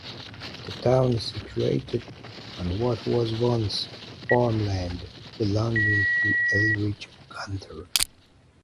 The town is situated on what was once farm land belonging to Elridge Gunter.